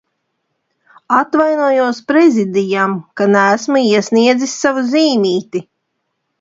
Atvainojos Prezidijam, ka neesmu iesniedzis savu zīmīti.